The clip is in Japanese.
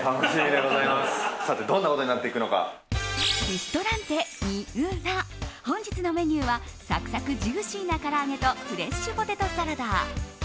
リストランテＭＩＵＲＡ本日のメニューはサクサクジューシーなから揚げとフレッシュポテトサラダ。